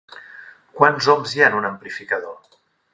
Quants ohms hi ha en un amplificador?